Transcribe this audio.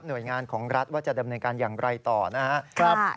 โดยงานของรัฐว่าจะดำเนินการอย่างไรต่อนะครับ